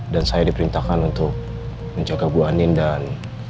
dan saya diperintahkan untuk menjaga bu andin dan